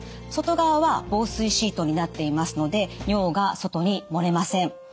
外側は防水シートになっていますので尿が外に漏れません。